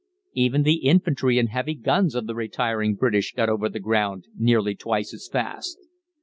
Even the infantry and heavy guns of the retiring British got over the ground nearly twice as fast.